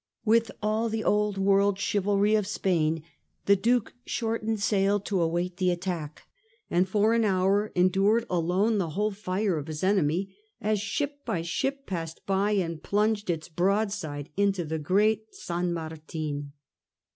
With all the old world chivalry of Spain the Duke shortened sail to await the attack, and for an hour endured alone the whole fire of his enemy, as ship by ship passed by and plunged its broadside into the great San Martin.